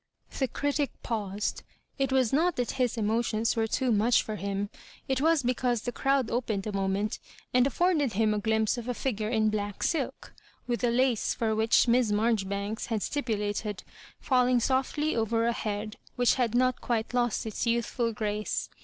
The critic paused. It was not that his emotions were too much for him ; it was because the crowd opened a moment, and afforded him a glimpse of a figure in black silk, with the lace for which Miss Mar joribanks had stipulated &lling softly over a head which had not quite lost its youthful grace.